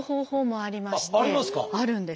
あるんです。